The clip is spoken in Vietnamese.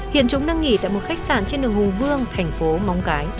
hiện chúng đang nghỉ tại một khách sạn trên đường hùng vương thành phố móng cái